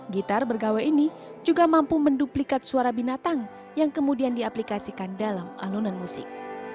gitar bergawe ini juga mampu menduplikat suara binatang yang kemudian diaplikasikan dalam alunan musik